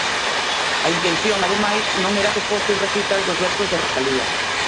A intención, ademais, non era que fose un recital dos versos de Rosalía.